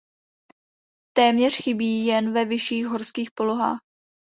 Téměř chybí jen ve vyšších horských polohách.